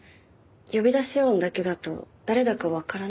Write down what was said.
呼び出し音だけだと誰だかわからなくて。